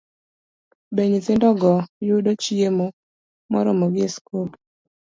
Be nyithindogo yudo chiemo moromogi e skul?